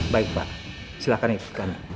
baik pak silahkan ikut kami